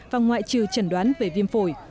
và ngoại trừ chẩn đoán về viêm phổi